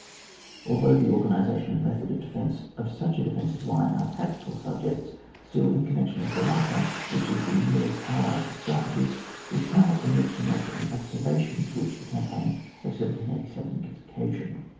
Although the organisation and method of defence of such a defensive line are tactical subjects, still, in connection with the latter, which is the nearest allied to strategy, we cannot omit to make an observation to which the campaign of 1787 gives occasion.